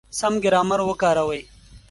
سم ګرامر وکاروئ!.